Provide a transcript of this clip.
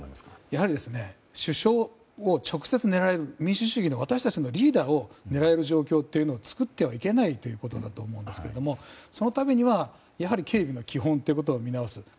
やはり首相を直接狙える民主主義の私たちのリーダーを狙える状況を作ってはいけないということだと思うんですがそのためにはやはり警備の基本を見直す。